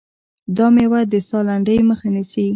دا مېوه د ساه لنډۍ مخه نیسي.